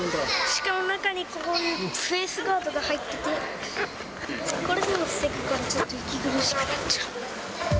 しかも中に、こういうフェースガードが入ってて、これでも防ぐから、ちょっと息苦しくなっちゃう。